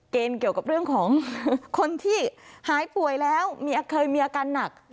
เกี่ยวกับเรื่องของคนที่หายป่วยแล้วเคยมีอาการหนัก